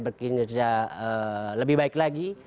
berkinerja lebih baik lagi